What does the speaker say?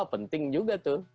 wah penting juga tuh